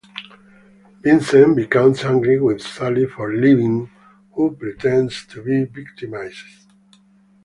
Vincent becomes angry with Sally for leaving, who pretends to be victimised.